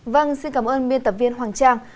vâng xin cảm ơn biên tập viên hoàng trang